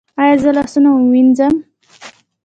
ایا زه لاسونه ووینځم؟